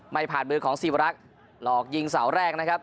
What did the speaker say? ไม่ผ่านมือของสีวรักษ์หลอกยิงเสาแรกนะครับ